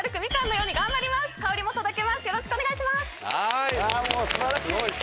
よろしくお願いします！